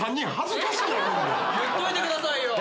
言っといてくださいよ！